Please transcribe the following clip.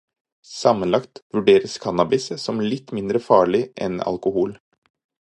Sammenlagt vurderes cannabis som litt mindre farlig enn alkohol.